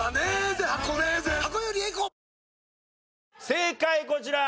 正解こちら！